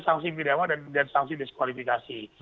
sanksi pidana dan sanksi diskualifikasi